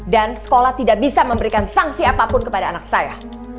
dan sekolah tidak bisa memberikan sanksi apapun kepada anak saya